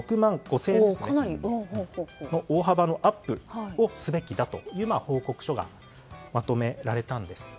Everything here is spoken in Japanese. ６万５０００円の大幅アップをすべきだという報告書がまとめられたんです。